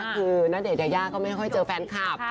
คือณเดชนยายาก็ไม่ค่อยเจอแฟนคลับ